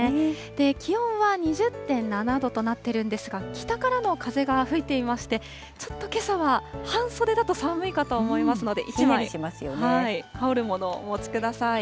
気温は２０．７度となってるんですが、北からの風が吹いていまして、ちょっとけさは半袖だと寒いかと思いますので、１枚羽織るものをお持ちください。